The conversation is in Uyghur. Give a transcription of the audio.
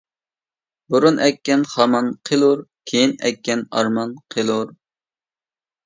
بۇرۇن ئەككەن خامان قىلۇر، كېيىن ئەككەن ئارمان قىلۇر.